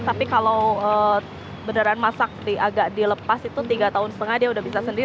tapi kalau beneran masak agak dilepas itu tiga tahun setengah dia udah bisa sendiri